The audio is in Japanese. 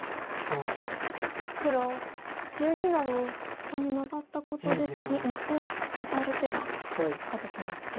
ここにマガったことで次１線ワタる手が復活しましたね。